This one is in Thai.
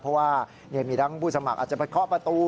เพราะว่ามีทั้งผู้สมัครอาจจะไปเคาะประตู